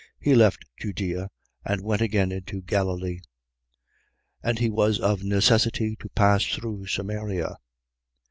He left Judea and went again into Galilee. 4:4. And he was of necessity to pass through Samaria.